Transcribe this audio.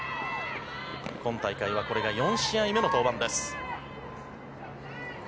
今大会はこれが４試合目の登板です。